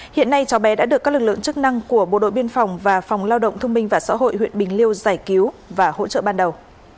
hiện nay cháu bé đã được các lực lượng chức năng của bộ đội biên phòng và phòng lao động thương minh và xã hội huyện bình liêu giải cứu và hỗ trợ ban đầu